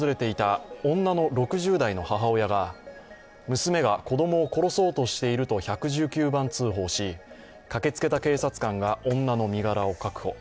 娘が子供を殺そうとしていると１１９番通報し駆けつけた警察官が女の身柄を確保。